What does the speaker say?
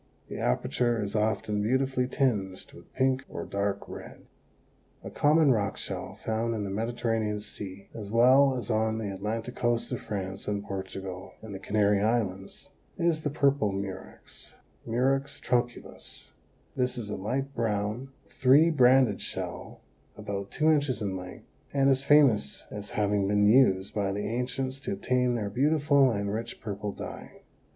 The aperature is often beautifully tinged with pink or dark red. A common rock shell found in the Mediterranean Sea as well as on the Atlantic coast of France and Portugal and the Canary Islands, is the Purple Murex (Murex trunculus). This is a light brown, three banded shell about two inches in length and is famous as having been used by the ancients to obtain their beautiful and rich purple dye.